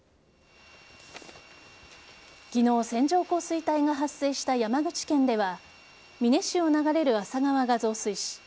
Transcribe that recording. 昨日、線状降水帯が発生した山口県では美祢市を流れる厚狭川が増水し